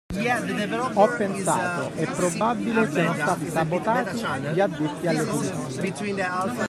Ho pensato: "È probabile siano stati sabotati gli addetti alle pulizie.